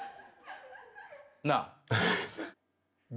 なあ？